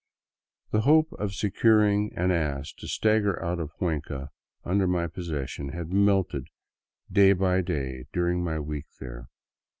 The hope of securing an ass to stagger out of Cuenca under my possessions had melted day by day during my week there.